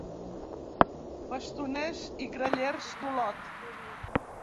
Bastoners i Grallers d'Olot.